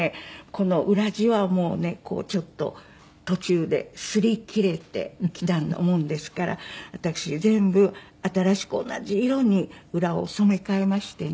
この裏地はもうねちょっと途中ですり切れてきたもんですから私が全部新しく同じ色に裏を染め変えましてね。